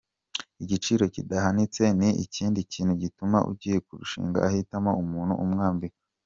Igiciro kidahanitse ni ikindi kintu gituma ugiye kurushinga ahitamo umuntu umwambika.